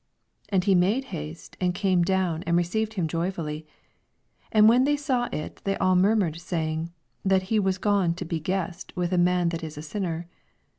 6 And he made haste, and down, and received him jojrftiUy. 7 And when they saw t^, they all murmured, saying, '/hat he was gone to be guest with a man that is a sinner.